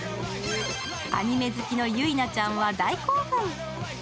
アニメ好きのゆいなちゃんは大興奮。